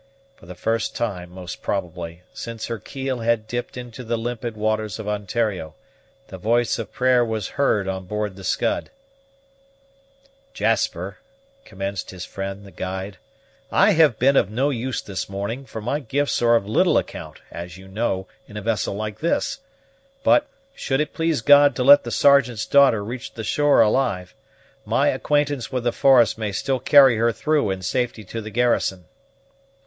For the first time, most probably, since her keel had dipped into the limpid waters of Ontario, the voice of prayer was, heard on board the Scud. "Jasper," commenced his friend, the guide, "I have been of no use this morning, for my gifts are of little account, as you know, in a vessel like this; but, should it please God to let the Sergeant's daughter reach the shore alive, my acquaintance with the forest may still carry her through in safety to the garrison."